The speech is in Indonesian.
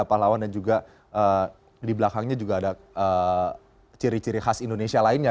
pahlawan dan juga di belakangnya juga ada ciri ciri khas indonesia lainnya